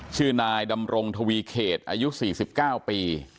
ชื่อนายดำรงทวีเขตอายุ๔๙ปี